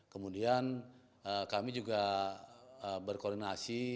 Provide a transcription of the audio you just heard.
kemudian kami juga berkoordinasi